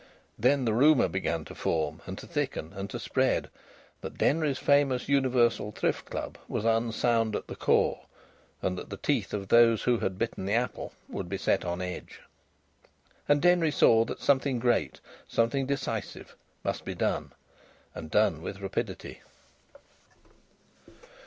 Then the rumour began to form, and to thicken, and to spread, that Denry's famous Universal Thrift Club was unsound at the core, and that the teeth of those who had bitten the apple would be set on edge. And Denry saw that something great, something decisive, must be done and done with rapidity.